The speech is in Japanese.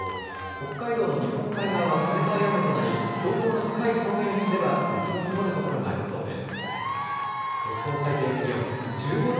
北海道の日本海側は冷たい雨となり標高の高い峠道では雪の積もるところがありそうです。